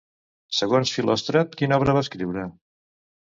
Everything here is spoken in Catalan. Segons Filòstrat, quina obra va escriure?